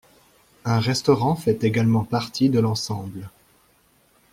Un restaurant fait également partie de l'ensemble.